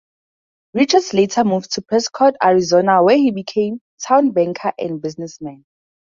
Richards later moved to Prescott, Arizona where he became town banker and businessman.